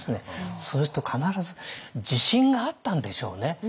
それと必ず自信があったんでしょうね。